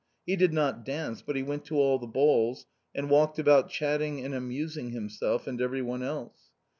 He did not dance, but he went to all the balls, and walked about chatting and amusing himself, and everyone else.